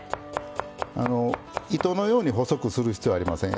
糸のように細くする必要ありません。